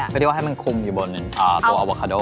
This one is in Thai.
ก็ดีกว่าให้มันคุมอยู่นังบนตัวอวโวคาโด